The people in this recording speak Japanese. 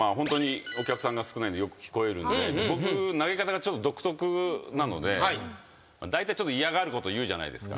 お客さんが少ないのでよく聞こえるので僕投げ方が独特なのでだいたいちょっと嫌がること言うじゃないですか。